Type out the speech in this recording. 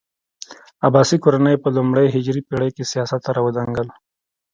عباسي کورنۍ په لومړنۍ هجري پېړۍ کې سیاست ته راوړانګل.